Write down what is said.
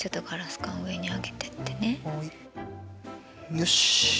よし！